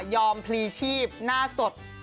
พลีชีพหน้าสด